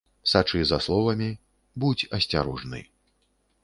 Сачы за словамі, будзь асцярожны.